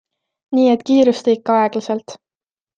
Nii et kiirusta ikka aeglaselt!